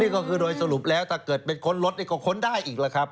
ก็คือโดยสรุปแล้วถ้าเกิดไปค้นรถนี่ก็ค้นได้อีกแล้วครับ